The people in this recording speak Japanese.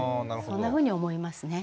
そんなふうに思いますね。